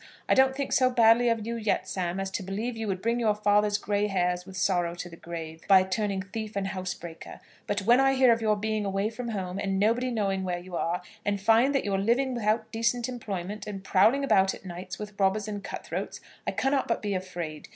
I don't think so badly of you yet, Sam, as to believe you would bring your father's grey hairs with sorrow to the grave by turning thief and housebreaker; but when I hear of your being away from home, and nobody knowing where you are, and find that you are living without decent employment, and prowling about at nights with robbers and cut throats, I cannot but be afraid.